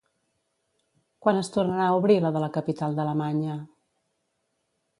Quan es tornarà a obrir la de la capital d'Alemanya?